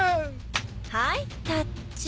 はいタッチ。